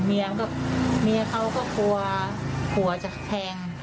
เมียเค้าก็กลัวหัวจะแพง